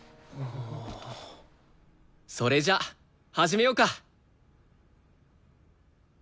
それじゃ始めようか！